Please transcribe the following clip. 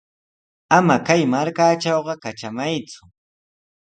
Ama kay markatrawqa katramayku.